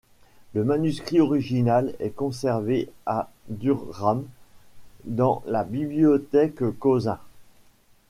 Le manuscrit original est conservé à Durham dans la Bibliothèque Cosin.